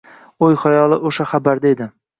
O`y-xayoli o`sha xabarda edi